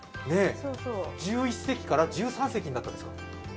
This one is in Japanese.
１１席から１３席になったんですか？